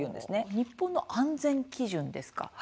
日本の安全基準ですか？